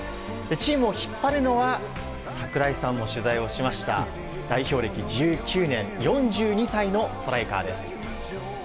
チームを引っ張るのは櫻井さんも取材をしました代表歴１９年４２歳のストライカーです。